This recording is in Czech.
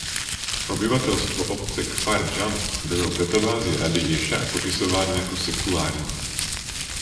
Obyvatelstvo obce Kfar Jam bylo v databázi rady Ješa popisováno jako sekulární.